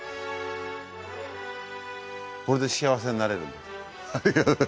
これで幸せになれる。